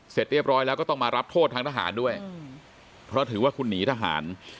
เสร็จเรียบร้อยแล้วก็ต้องมารับโทษทางทหารด้วยเพราะถือว่าคุณหนีทหาร